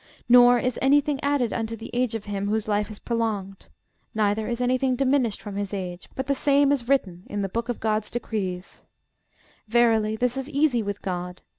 Nor is any thing added unto the age of him whose life is prolonged, neither is any thing diminished from his age, but the same is written in the book of God's decrees. Verily this is easy with GOD.